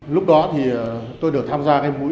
lúc đó thì tôi được tham gia cái mũi